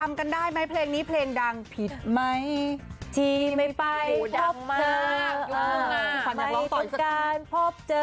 จำกันได้มั้ยเพลงนี้เพลงดังผิดไหมทีไม่ไปหัวดังมากไม่ต้องการพบเจอ